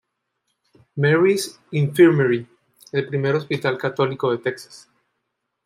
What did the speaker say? Mary's Infirmary, el primer hospital católico de Texas.